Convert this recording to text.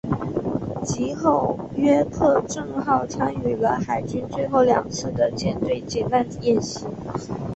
及后约克镇号参与了海军最后两次的舰队解难演习。